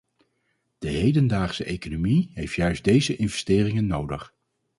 De hedendaagse economie heeft juist deze investeringen nodig.